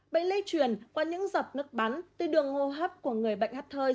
bệnh lây truyền qua những dọc nước bắn từ đường hô hấp của người bệnh hắt thơi